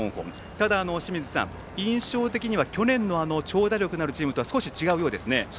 ただ、印象的には去年の長打力のあるチームとは少し違うようですね。